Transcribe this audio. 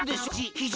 ひじ。